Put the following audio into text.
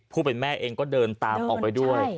ผู้เป็นแม่เองก็เดินตามออกไปด้วย